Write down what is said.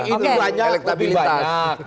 ini banyak lebih banyak